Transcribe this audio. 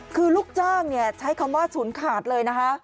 คือลูกจ้างใช้คำว่าฉุนขาดเลยนะคะ